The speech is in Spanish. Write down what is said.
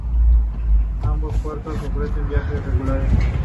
Ambos puertos ofrecen viajes regulares.